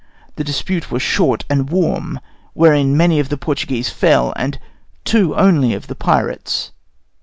The dispute was short and warm, wherein many of the Portuguese fell, and two only of the pirates.